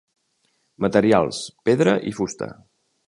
Materials: pedra i fusta.